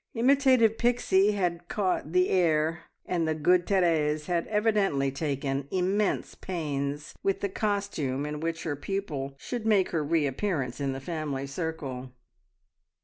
Imitative Pixie had caught "the air," and the good Therese had evidently taken immense pains with the costume in which her pupil should make her reappearance in the family circle.